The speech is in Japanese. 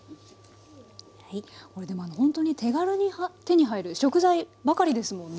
これでもほんとに手軽に手に入る食材ばかりですもんね。